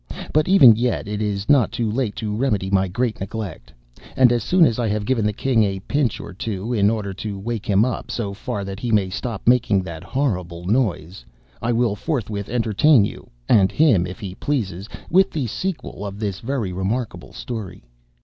But even yet it is not too late to remedy my great neglect—and as soon as I have given the king a pinch or two in order to wake him up so far that he may stop making that horrible noise, I will forthwith entertain you (and him if he pleases) with the sequel of this very remarkable story."